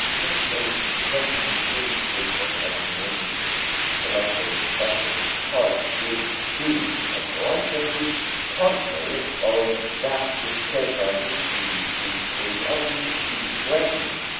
Such a jumping sleep which at every moment selects a special part would be, of course, just the contrary of that which characterizes the sleep state of the fatigued brain.